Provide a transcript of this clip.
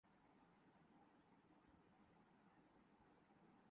Boston Massachusetts institute of technology M I T کے ماہرین نے jelly نما روبوٹ بنایا ہے